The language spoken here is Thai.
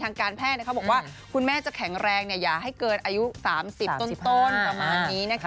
ทางการแพทย์ที่เขาบอกว่าคุณแม่จะแข็งแรงอย่าให้เกินอายุ๓๐ต้น